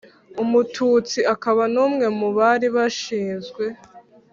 umututsi akaba n'umwe mu bari bashinzwe